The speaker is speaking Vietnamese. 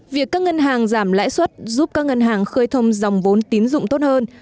việc các ngân hàng giảm lãi suất giúp các ngân hàng khơi thông dòng vốn tín dụng tốt hơn